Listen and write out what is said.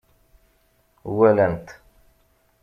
Walan-t.